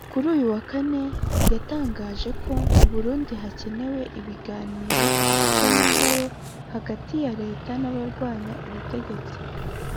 kuri uyu wa kane yatangaje ko mu Burundi hakenewe ibiganiro by’amahoro hagati ya Leta n’abarwanya ubutegetsi